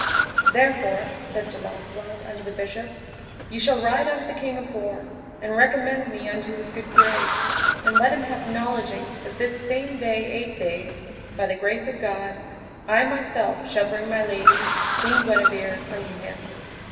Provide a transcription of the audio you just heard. Therefore, said Sir Launcelot unto the Bishop, ye shall ride unto the king afore, and recommend me unto his good grace, and let him have knowledging that this same day eight days, by the grace of God, I myself shall bring my lady, Queen Guenever, unto him.